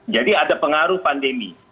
jadi ada pengaruh pandemi